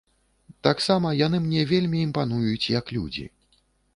Таксама яны мне вельмі імпануюць як людзі.